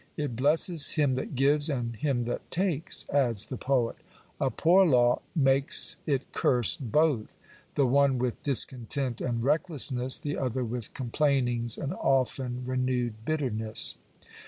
"It blesses him that gives, and him that takes," adds the poet. A poor law makes it curse both ; the one with discontent and recklessness, the other with com plainings and often renewed bitterness.